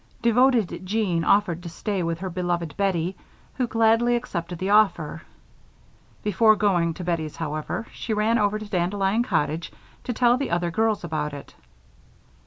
Devoted Jean offered to stay with her beloved Bettie, who gladly accepted the offer. Before going to Bettie's, however, Jean ran over to Dandelion Cottage to tell the other girls about it.